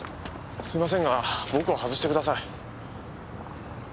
すいませんが僕を外してください。